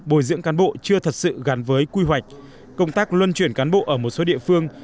bồi dưỡng cán bộ chưa thật sự gắn với quy hoạch công tác luân chuyển cán bộ ở một số địa phương